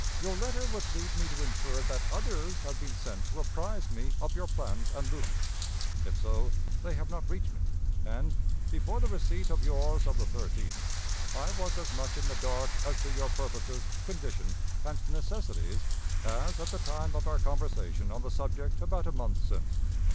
"Your letter would lead me to infer that others had been sent to apprise me of your plans and movements. If so, they have not reached me; and, before the receipt of yours of the 13th, I was as much in the dark as to your purposes, condition, and necessities as at the time of our conversation on the subject about a month since.